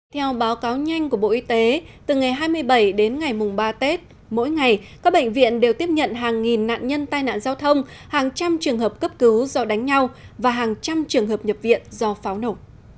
theo báo cáo nhanh của bộ y tế từ ngày hai mươi bảy đến ngày mùng ba tết mỗi ngày các bệnh viện đều tiếp nhận hàng nghìn nạn nhân tai nạn giao thông hàng trăm trường hợp cấp cứu do đánh nhau và hàng trăm trường hợp nhập viện do pháo nổ